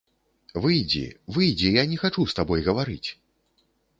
Выйдзі, выйдзі, я не хачу з табой гаварыць.